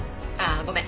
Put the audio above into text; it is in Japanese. ああごめん。